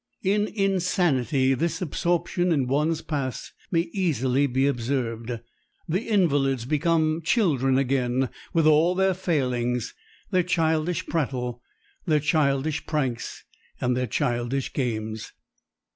In insanity this absorption in one's past may easily be observed. The invalids become children again, with all their failings, their childish prattle, their childish pranks, and their childish games.